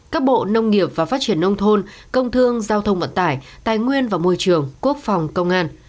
các bộ nông nghiệp và phát triển nông thôn công thương giao thông vận tải tài nguyên và môi trường quốc phòng công an